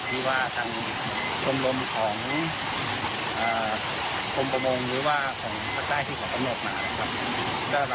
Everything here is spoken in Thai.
ที่ว่าทางชมรมของกรมประมงหรือว่าของภาคใต้ที่เขากำหนดมานะครับ